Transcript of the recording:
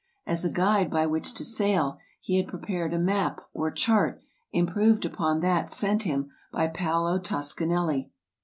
As a guide by which to sail, he had prepared a map or chart, improved upon that sent him by Paolo Toscanelli.